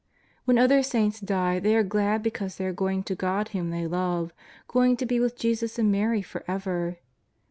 When other saints die they are glad because they are going to God whom they love, goin^ to be with Jesus and Mary for ever.